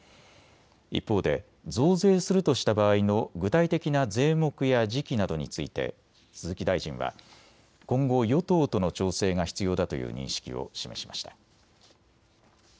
一方で増税するとした場合の具体的な税目や時期などについて鈴木大臣は今後、与党との調整が必要だという認識を示しました。